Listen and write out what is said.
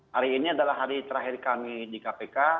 hari ini adalah hari terakhir kami di kpk